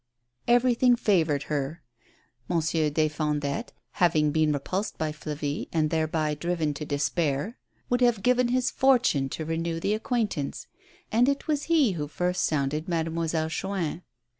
Everything favored her. Monsieur des Fondettes, having been repulsed by Flavie and thereby driven to despair, would have given his fortune to renew the ac quaintance, and it was he who first sounded Mademoi selle Chuin.